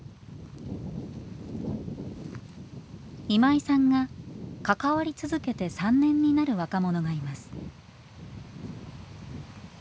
今井さんが関わり続けて３年になる若者がいます。